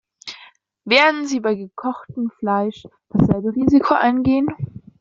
Werden sie bei gekochtem Fleisch dasselbe Risiko eingehen?